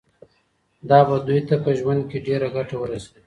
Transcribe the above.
دا به دوی ته په ژوند کي ډیره ګټه ورسوي.